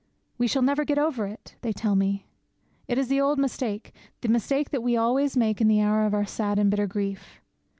'We shall never get over it!' they tell me. It is the old mistake, the mistake that we always make in the hour of our sad and bitter grief.